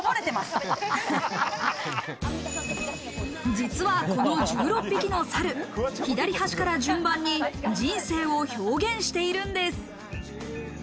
実はこの１６匹の猿、左端から順番に人生を表現しているんです。